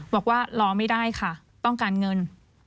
บอกว่ารอไม่ได้ค่ะต้องการเงิน